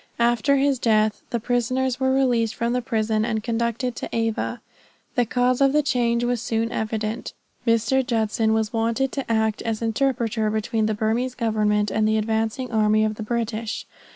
After his death, the prisoners were released from the prison, and conducted to Ava. The cause of the change was soon evident. Mr. Judson was wanted to act as interpreter between the Burmese government and the advancing army of the British.